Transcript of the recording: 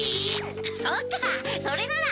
そっかそれなら。